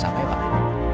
coba buat kasian gini